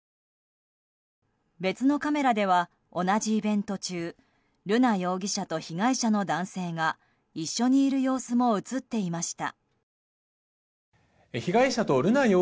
別のカメラでは同じイベント中瑠奈容疑者と被害者の男性が一緒にいる様子も映っていました。